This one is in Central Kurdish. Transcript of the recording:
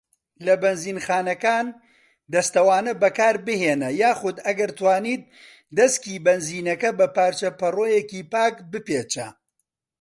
لە بەنزینخانەکان، دەستەوانە بەکاربهینە یاخود ئەگەر توانیت دەسکی بەنزینەکە بە پارچە پەڕۆیەکی پاک بپێچە.